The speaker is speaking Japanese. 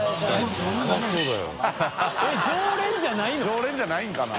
常連じゃないんかな？